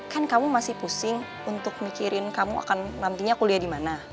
kan kamu masih pusing untuk mikirin kamu akan nantinya kuliah di mana